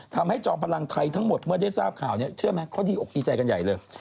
ทำให้จอมพลังไทยทั้งหมดเมื่อได้ทราบข่าวเขาดีใจกันใหญ่เลย